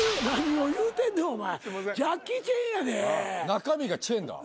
中身がチェンだわ。